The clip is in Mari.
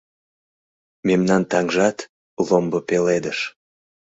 Мемнан таҥжат - ломбо пеледыш -